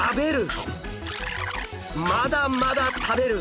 まだまだ食べる！